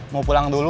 mau pulang dulu